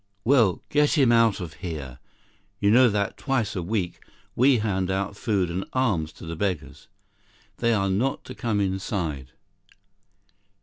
67 "Well, get him out of here. You know that twice a week, we hand out food and alms to the beggars. They are not to come inside."